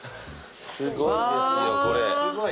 すごいですよこれ。